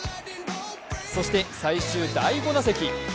そして最終第５打席。